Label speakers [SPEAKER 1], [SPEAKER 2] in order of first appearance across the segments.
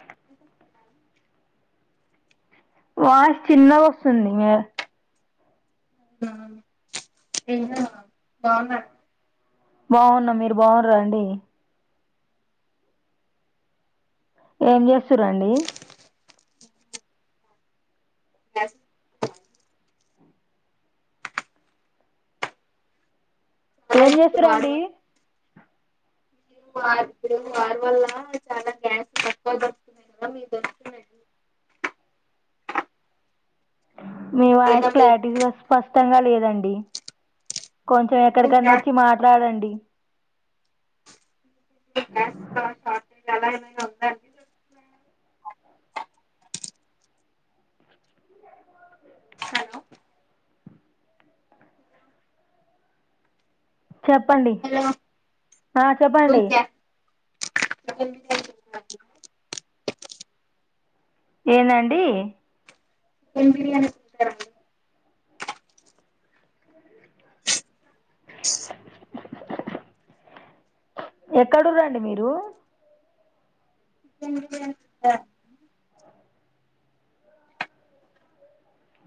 [SPEAKER 1] [inaudible]
[SPEAKER 2] Wash చిన్నది వస్తుంది మీ
[SPEAKER 1] ఎ బాగున్నా
[SPEAKER 2] బాగున్నా మీరు బాగున్న అండి ఏం చేస్తురండి ఏం చేస్తురండి
[SPEAKER 1] ఇప్పుడు వారి వల్ల చాలా గ్యాస్ తక్కువ దొరుకుతున్నాయి
[SPEAKER 2] మీము క్లారిటీస్ స్ కష్టంగా లేదండి కొంచెం ఎక్కడికన్నా వచ్చి మాట్లాడండి [unintelligible] చెప్పండి ఆ చెప్పండి ఏనండి ఎక్కడుర్రండి మీరు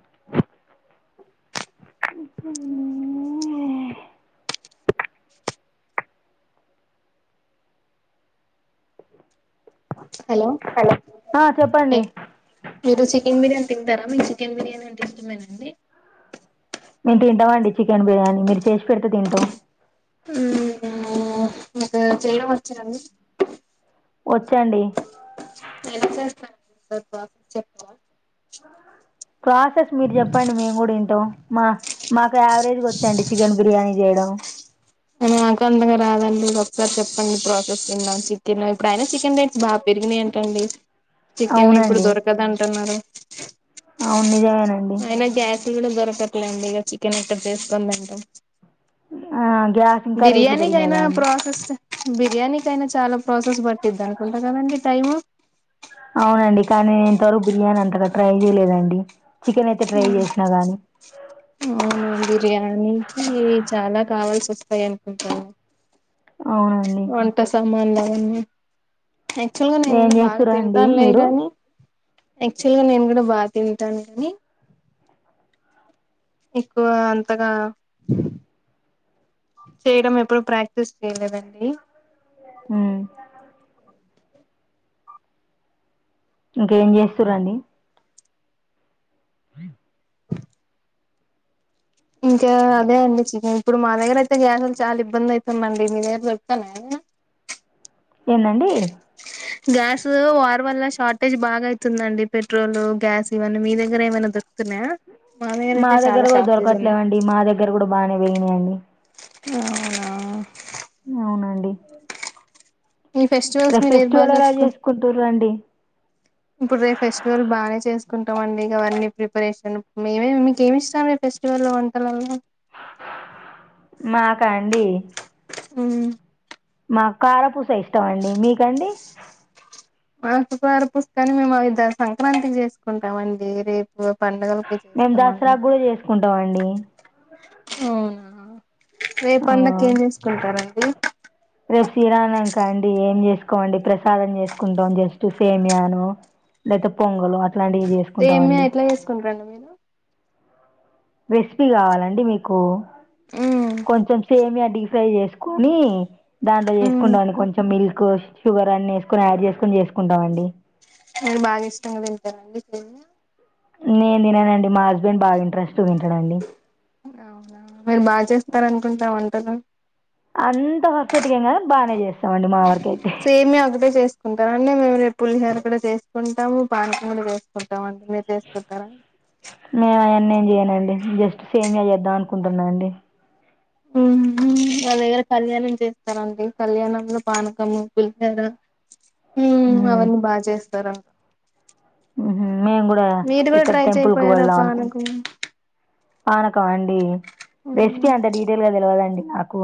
[SPEAKER 2] [unintelligible]
[SPEAKER 1] హలో
[SPEAKER 2] ఆ చెప్పండి
[SPEAKER 1] హాయ్ చికెన్ బిర్యానీ అంటె ఇష్టమేనండి
[SPEAKER 2] మేము తింటాం అండి చికెన్ బిర్యానీ మీరు చేసి పెడితే తింటాం
[SPEAKER 1] మ్.. మీకు చేయడంవచ్చా అండి
[SPEAKER 2] వచ్చండి
[SPEAKER 1] ఎలా చేస్తరు బ చెప్పవా
[SPEAKER 2] ప్రాసెస్ మీరు చెప్పండి మేము కూడా ఇంటం మా మాకు యావరేజ్ గా వచ్చండి చికెన్ బిర్యానీ చేయడం [unintelligible]
[SPEAKER 1] మ్... నాకు అంతగా రాదండి ఒకసారి చెప్పండి ప్రాసెస్ విందాం చికెన్ ఇప్పుడయినా చికెన్ రేట్స్ బాగా పెరిగినయి అంటండి చికెన్ ఇప్పుడు దొరకదంటున్నారు [inaudible]
[SPEAKER 2] అవున్ నిజమేనండి
[SPEAKER 1] ట్లేండి ఇక చికెన్ ఎక్కడ చేసుకోని తింటం
[SPEAKER 2] ఆ గ్యాస్ ఇంకా రేట్లు పెరిగినియిగా అండి
[SPEAKER 1] ప్రాసెస్ బిర్యానీకైనా చాలా ప్రాసెస్ పట్టిద్ధ నుకుంటా కదండి టైమ్
[SPEAKER 2] అవునండి కానీ నేను ఇంతవరకు బిర్యానీ అంతగా ట్రై చేయలేదండి చికెన్ అయితే ట్రై
[SPEAKER 1] మ్..
[SPEAKER 2] చేసినా గానీ
[SPEAKER 1] అవునా బిర్యానీ [inaudible] చాలా కావాల్సి వస్తాయి అనుకుంటాను
[SPEAKER 2] అవునండి
[SPEAKER 1] ఒంట సామాన్ల ఎన్ని యాక్చువల్ గా నేను
[SPEAKER 2] ఏం
[SPEAKER 1] కూడా బాగా
[SPEAKER 2] చేస్తురండి మీరు
[SPEAKER 1] తింటానులేగానీ యాక్చువల్ గా నేను కూడా బాగా తింటాను కానీ ఎక్కువ అంతగా చేయడం ఎప్పుడు ప్రాక్టీస్ చేయలేదండి
[SPEAKER 2] మ్ ఇంకేం చేస్తురండి అ [unintelligible]
[SPEAKER 1] ఇంకా అదే అండి చికెన్ ఇప్పుడు మా దగ్గర అయితే గ్యాస్లు చాలా ఇబ్బంది ఐతుందండి మీ దగ్గర దొరుకున్నాయ
[SPEAKER 2] ఏందండి
[SPEAKER 1] గ్యాస్ వార్ వల్ల షార్టేజ్ బాగా అయితుందండి పెట్రోల్ గ్యాస్ ఇవన్నీ మీ దగ్గర ఏమైనా దొరుకు
[SPEAKER 2] మా దగ్గర కూడా
[SPEAKER 1] ఉంది
[SPEAKER 2] దొరకట్లేవండి మా దగ్గర కూడా బానే పెరిగినియి అన్నీ
[SPEAKER 1] అవునా
[SPEAKER 2] అవునండి
[SPEAKER 1] ఈ ఫెస్టివల్స్
[SPEAKER 2] రేపు
[SPEAKER 1] మీరు ఏది బాగా
[SPEAKER 2] ఫెస్టివల్ ఎలా
[SPEAKER 1] జరుపుకుంటారు.
[SPEAKER 2] చేసుకుంటుర్రండి
[SPEAKER 1] ఇప్పుడు రేపు ఫెస్టివల్ బాగానే చేస్త చేసుకుంటమండి ఇకవన్నీ ప్రిపరేషన్ మేమే మీకు ఏమి ఇష్టం మీ ఫెస్టివల్లో వంటలల్లో
[SPEAKER 2] మాకా అండి
[SPEAKER 1] ఉమ్మ్
[SPEAKER 2] మా కారపూస ఇష్టం అండి మీకండి
[SPEAKER 1] [unintelligible] మాకుకారు పుస్తకాన్ని మేమువిధ సంక్రాంతి చేసుకుంటాం అండి రేపు పండుగలకి
[SPEAKER 2] మేము దసరా
[SPEAKER 1] చేసుకోమండి
[SPEAKER 2] గూడా చేసుకుంటాం అండి
[SPEAKER 1] అవునా రే పండక్కి
[SPEAKER 2] ఆ!
[SPEAKER 1] ఏంచేసుకుంటారండి అ
[SPEAKER 2] రేపు శ్రీరామ నవమి కదండి ఏం చేసుకోమండి ప్రసాదం చేసుకుంటాం జస్ట్ సేమయానో లేపోతే పొ
[SPEAKER 1] సేమ్యా ఎట్ల చేసుకుంటరండి మీరు
[SPEAKER 2] రెసిపీ కావాలండి మీకు.
[SPEAKER 1] ఉమ్
[SPEAKER 2] కొంచెం సేమియా ఢీ ఫ్రై చేసుకొని దాంట్లో చేసుకుంటమండి కొంచెం మిల్క్ షుగర్ అన్ని వేసుకొని యాడ్ చేసుకొని చేసుకుంటాం అండి.
[SPEAKER 1] మీరు బాగా ఇష్టంగా తింటరండి సేమ్యా.
[SPEAKER 2] నేను తిననండి మా హస్బెండ్ బాగా ఇంట్రెస్ట్
[SPEAKER 1] అవునా మీరు బాచేస్తారనుకుంట వ టలు
[SPEAKER 2] అంత పర్ఫెక్ట్గా ఎం కాదు బానే చేస్తామండి మా వరకు అయితే.
[SPEAKER 1] అంటే మేము రేపు పులిహోర కూడా చేసుకుంటము, పానకం కూడా చేసుకుంటము అండి. మీరు చేసుకుంటరా.
[SPEAKER 2] మేము అవన్నీ ఏం చేయనండి జస్ట్ సేమియా చేద్దాం అనుకుంటున్నా అండి.
[SPEAKER 1] హుహ్ మా దగ్గర కళ్యాణం చేస్తారండి. కళ్యాణంలో పానకము, పులిహోర హు అవన్నీ బాచేస్తారమ్.
[SPEAKER 2] ఉహు మేము కూడా
[SPEAKER 1] మీరు కూడా
[SPEAKER 2] ఇక్కడ
[SPEAKER 1] ట్రై
[SPEAKER 2] టెంపుల్ కు
[SPEAKER 1] చేయిపోయారా
[SPEAKER 2] వెళ్ళాదాం అనుకుంటు
[SPEAKER 1] పానకం
[SPEAKER 2] పానకం ఆ అండి.
[SPEAKER 1] ఉమ్
[SPEAKER 2] రెసిపీ అంత డీటెయిల్ గా తెలివదండి. నాకు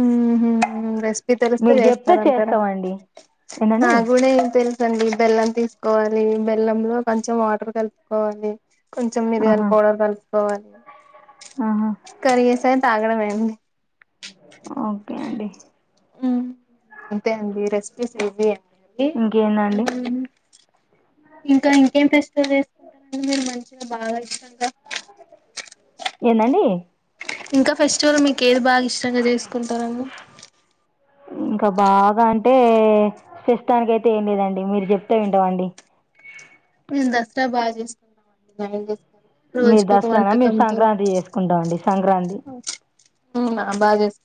[SPEAKER 1] ఆహా హ హ రెస్పీ తెలిస్తే
[SPEAKER 2] మీరు చెప్తే
[SPEAKER 1] చేస్తారంటారా
[SPEAKER 2] చేస్తామండి ఏంటండి
[SPEAKER 1] నాగూడ ఎంతె వదండి బెల్లం తీసుకోవాలి, బెల్లం లో కొంచెం వాటర్ కలుపుకోవాలి. కొంచెం మిరియలు
[SPEAKER 2] ఆహా
[SPEAKER 1] పౌడరు కలుపుకోవాలి
[SPEAKER 2] ఆహా
[SPEAKER 1] కరిగేసే తాగడమే.
[SPEAKER 2] ఒకే అండి.
[SPEAKER 1] హ్మ్ అంతే అండి రెసిపీస్ ఇవి [inaudible]
[SPEAKER 2] ఇంకేందండి.
[SPEAKER 1] ఇంకా ఇంకేం ఫెస్టివల్ చేసుకుంటారండి మీరు మంచిగా బాగా ఇష్టంగా.
[SPEAKER 2] ఏదండి.
[SPEAKER 1] ఇంకా ఫెస్టివల్ మీకు ఏది బాగా ఇష్టంగా చేసుకుంటారండి.
[SPEAKER 2] ఇంకా బాగా అంటే ప్రస్తుతానికి అయితే ఏం లేదండి మీరు చెప్తె వింటాం అండి.
[SPEAKER 1] మేం దసరా బాగా చేసుకున్నాం అండి. గారెలు
[SPEAKER 2] మీరు దసరానా మేము సంక్రాంతి చేసుకుంటామండి సంక్రాంతి.
[SPEAKER 1] ఉమ్మ్ బాచేస్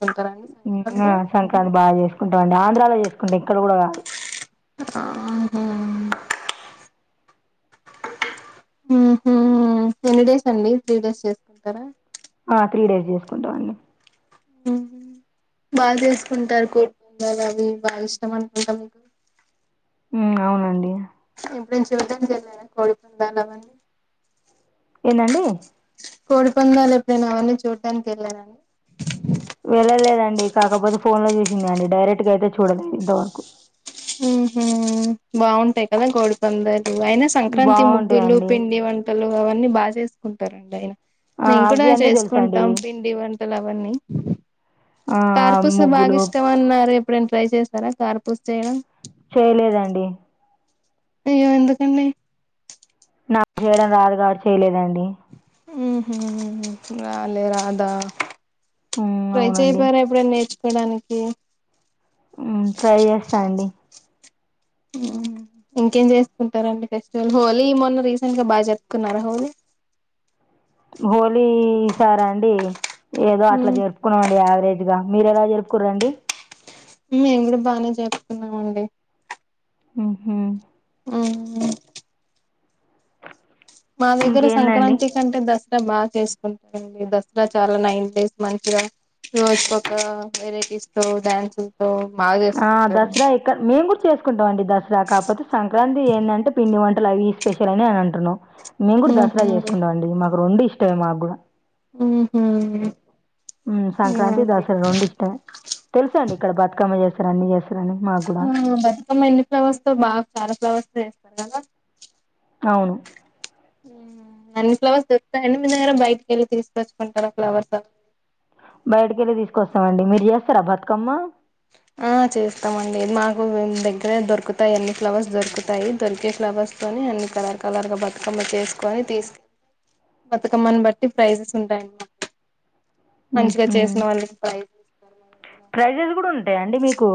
[SPEAKER 2] సంక్రాంతి బాగా చేసుకుంటాం ఆంధ్రాలో చేసుకుంటా ఇక్కడ కూడా కాదు
[SPEAKER 1] ఆ ఆహా ఎన్ని డేస్ అండి త్రీ డేస్ చేసుకుంటారా
[SPEAKER 2] ఆ త్రీ డేస్ చేసుకుంటా అడి
[SPEAKER 1] బాగా చేసుకుంటారు కోటుబందలు అవి బాగా ఇష్టం అనుకుంటా మీకు
[SPEAKER 2] అవునండి
[SPEAKER 1] దంచింది చె కోడిపోందాలా మంది
[SPEAKER 2] ఏంటండి
[SPEAKER 1] కోడి పందాలు ఎప్పుడు నేను అవరిని చూడటడానికి వెళ్ళారా
[SPEAKER 2] వెళ్లలేదండి కాకపోతే ఫోన్ లో చూసింది అండి. డైరెక్ట్ గా అయితే చూడలేదు ఇంతవరకు
[SPEAKER 1] ఉహ బాగుంటాయి కదా గోడిపందరి అయినా సంక్రాంతి ముగ్గులు
[SPEAKER 2] బావుంటాయండి.
[SPEAKER 1] పిండి వంటలు అవన్నీ బాగా చేసుకుంట స్తారండి అయినా
[SPEAKER 2] ఆ!
[SPEAKER 1] మేము కూడా
[SPEAKER 2] అవి అన్నీ తెలుసండి.
[SPEAKER 1] చేసుకుంటాం పిండి వంటలు అవన్నీ
[SPEAKER 2] ఆ!
[SPEAKER 1] తార్పుూస బాగా
[SPEAKER 2] ముగ్గులు
[SPEAKER 1] ఇష్టం అన్నారే ఎప్పుడైనా ట్రై చేశారా కారూపుసా చెయ్యరా
[SPEAKER 2] చేయలేదండి
[SPEAKER 1] అయ్యో ఎందుకండి
[SPEAKER 2] నాకు చేయడం రాదు కాబట్టి చేయలేదండి
[SPEAKER 1] ఉ రాలే రాధా
[SPEAKER 2] హ్మ్.
[SPEAKER 1] ట్రై
[SPEAKER 2] అవునండి.
[SPEAKER 1] చేయిపోార ఎప్పుడ న తినడానికి
[SPEAKER 2] ఉహ్ ట్రై చేస్త అండి
[SPEAKER 1] ఇంకేం చేసుకుంటారంండి ఫెస్టివల్ హోలీ మొన్న రీసెంట్ గా బాగా చెప్పుకున్నారా హోలీ
[SPEAKER 2] హోలీ సారా అండి ఏదో అట్లా జరుపుకున్నామండి యావరేజ్ గా మీర ఎలా జరూపుకురండి
[SPEAKER 1] మేము కూడా బానే చెప్పుతున్నామండి
[SPEAKER 2] ఉహ్ హ్
[SPEAKER 1] ఆ మా దగ్గర
[SPEAKER 2] ఇంకేందండి?
[SPEAKER 1] సంక్రాంతి కంటే దస ద బాగా చేసుకుంటారండి దసరా చాలా నైన్ డేస్ మంచిగా రోజుకోక వెరైటీస్ తో డ్యాన్స్ లతో
[SPEAKER 2] ఆ దసరా ఎక్కడ మేము కూడా చేసుకుంటాం అండి దసరా కాకపోతే సంక్రాంతి ఏంటంటే పిండి వండి అ అవి స్పెషల్ అని అ అంటన్నాను మేము కూడా దసరా
[SPEAKER 1] ఉహు
[SPEAKER 2] చేసుకుంటాం అండి మా రొండు ఇష్టమే మాక్కూడా
[SPEAKER 1] ఆహా
[SPEAKER 2] ఉ సంక్రాంతి దసరా రొండు ఇష్టమే తెలుసా అండి ఇక్క బ కా మ స అ
[SPEAKER 1] ఆ బతుకమ్మ ఎన్ని ఫ్లవర్స్ తో బాగా చాలా ఫ్లవర్స్ సంగా
[SPEAKER 2] అవును
[SPEAKER 1] అన్ని ఫ్లవర్స్ దొకుతాయండి మీ దగ్గర బయటికి వెళ్ళి తీసుకొచ్చుకుంటారా ఫ్లవర్స్
[SPEAKER 2] బయటక వెళ్ళి తీసుకొస్తామండి మీరు చేస్తారా బతుకమ్మ
[SPEAKER 1] చేస్తామండి మాకు దగ్గరే దొరుకుతాయి అన్ని ఫ్లవర్స్ దొరుకుతాయి దొరికే ఫ్లవర్స్తో అన్ని కలర్ కలర్గా బతుకమ్మ చేసుకొని తీసుక బతుకమ్మని బట్టి ప్రైజెస్ ఉంటాయండి మాకు మంచిగా
[SPEAKER 2] హుహు.
[SPEAKER 1] చేసిన వాళ్ళకి [unintelligible]
[SPEAKER 2] ప్రైజెస్ కూడా ఉంది అంతే అండి మీకు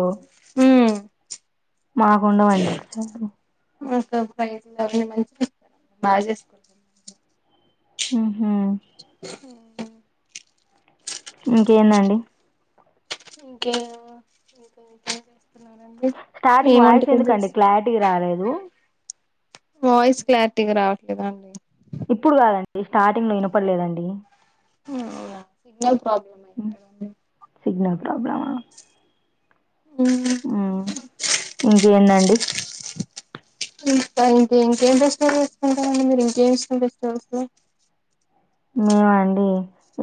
[SPEAKER 1] ఉమ్
[SPEAKER 2] మాకండ వడి
[SPEAKER 1] అవి మంచిగా బాగా చేసుకుంటం
[SPEAKER 2] ఆ
[SPEAKER 1] హ
[SPEAKER 2] ఇంకేందండి
[SPEAKER 1] ఇంకా ఇంకా ఇకా
[SPEAKER 2] స్టార్టింగ్ వాయిస్ ఎందుకండి క్లారిటీ రాలేదు
[SPEAKER 1] వాయిస్ క్లారిటీకి రావట్లేదాండి
[SPEAKER 2] ఇప్పుడు కాదండి స్టార్టింగ్ లో వినపడలేదండి
[SPEAKER 1] ఉహ్ ప్రాబ్లమ్ అయితదండి
[SPEAKER 2] సిగ్నల్ ప్రాబ్లమా ఇంకేందండి
[SPEAKER 1] ఇంక ఇంకేం చేసుకుంటారండి మీరు ఇంకేం చేసుకుంటారు
[SPEAKER 2] మేమండి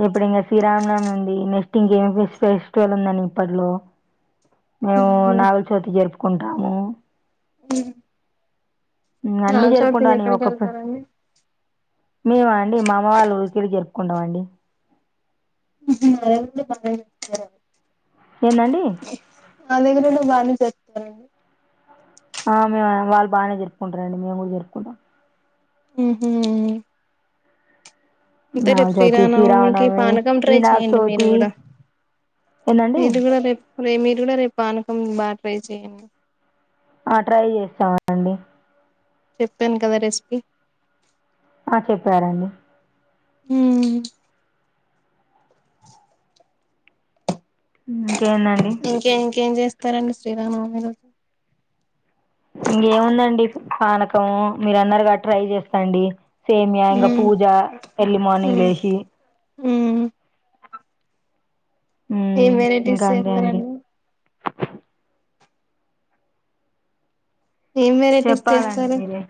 [SPEAKER 2] ఎప్పుడు ఇంకా శ్రీరామ్నామి ఉంది నెక్స్ట్ ఇంకేమ ఫెస్టివల్ ఉందని ఇప్పట్లో అ మేము నాగులచోతి జరుపుకుంటాము అన్నీ
[SPEAKER 1] నాగ
[SPEAKER 2] చేరుకుంటా
[SPEAKER 1] చవితికి
[SPEAKER 2] న
[SPEAKER 1] ఎక్కడికి
[SPEAKER 2] ఓకప్పు
[SPEAKER 1] వెళ్తారండి
[SPEAKER 2] మేము అండి మా అమ్మ వాళ్ళ ఊరికెళ్లి జరుపుకుంటామండి
[SPEAKER 1] ఎంత
[SPEAKER 2] ఏందండి
[SPEAKER 1] మా దగ్గర బాగా చెప్తానండి
[SPEAKER 2] ఆ మే వాళ్ళు బాగానే జరుపుకుంటారండి మేము కూడా జరుపుకుంటాం
[SPEAKER 1] ఆ అంతే
[SPEAKER 2] నాగుల చవితి
[SPEAKER 1] రేప్పరానా మీకు
[SPEAKER 2] శ్రీరామనవమి
[SPEAKER 1] పానకం ట్రై
[SPEAKER 2] వినాయక
[SPEAKER 1] చెయయండి మీరు
[SPEAKER 2] చవితి
[SPEAKER 1] కూడా
[SPEAKER 2] ఏందండి
[SPEAKER 1] మీది కూడా రే రే మీరు కూడా రేపు పానకం బాగా ట్రై చేయండి
[SPEAKER 2] ఆ ట్రై చేస్తామ అండి
[SPEAKER 1] చెప్పాను కదా రెసిపీ
[SPEAKER 2] ఆ చెప్పార అండి
[SPEAKER 1] ఉహ్
[SPEAKER 2] ఇంకేందండి
[SPEAKER 1] ఇంకేం ఇంక చేస్త చస్తారంండి శ్రీరామ రోజు
[SPEAKER 2] ఇంకేముందండి పానకం మీర అన్నరుగా ట్రై చేస్తాండి సేమియా ఇంక పూజా ఎర్లీ మార్నింగ్ లేసి
[SPEAKER 1] అ ఏం
[SPEAKER 2] మ్మ్
[SPEAKER 1] వెరైటీస్
[SPEAKER 2] ఇంకా అంతే అండి
[SPEAKER 1] చేస్తారండి ఏం వెరైటీస్
[SPEAKER 2] చెప్పాలండి
[SPEAKER 1] చేస్తారు
[SPEAKER 2] మీరే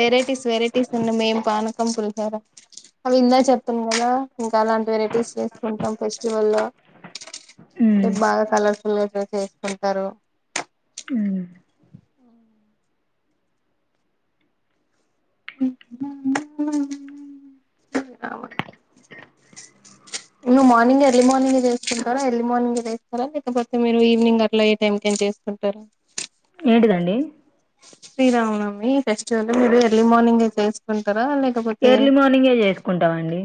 [SPEAKER 1] వెరైటీస్ వెరైటీస్ ఉన్నాడి మేం పానకంపులు రా రా అవి ఇందా చెప్తాను కదా ఇంకా అలాంటి వెరైటీస్ చేసుకుంటాం ఫెస్టివల్లో
[SPEAKER 2] మ్మ్
[SPEAKER 1] బాగా కలర్స్ చేసుకుంటారు
[SPEAKER 2] అవు
[SPEAKER 1] ఉ అవు నువ్వు మార్నింగ్ ఎర్లీ మార్నింగ్ చేసుకుంటారా ఎర్లీ మార్నింగ్ చేస్తారా లేకపోతే మీరు ఈవినింగ్ అట్లా ఏ టైంకింత చేసుకుంటారా
[SPEAKER 2] దండి
[SPEAKER 1] శ్రీరామనమి ఫెస్టివల్ మీరు ఎర్లీ మార్నింగ్ తెలుసుకుంటారు
[SPEAKER 2] ఎర్లీ మార్నింగే చేసుకుంటామండి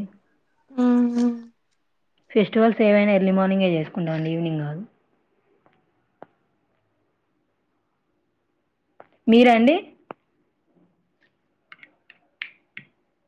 [SPEAKER 1] అవు
[SPEAKER 2] ఫెస్టివల్స్ ఏవైనా ఎర్లీ మార్నింగే చేసుకుంటా అండి ఈవినింగ్ కాదు మీరండి